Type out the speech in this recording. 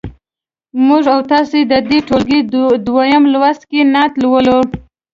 موږ او تاسو د دې ټولګي دویم لوست کې نعت لولو.